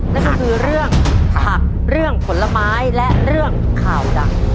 นั่นก็คือเรื่องผักเรื่องผลไม้และเรื่องข่าวดัง